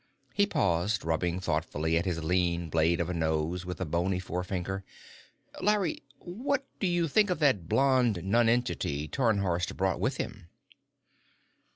He paused, rubbing thoughtfully at his lean blade of a nose with a bony forefinger. "Larry, what did you think of that blond nonentity Tarnhorst brought with him?"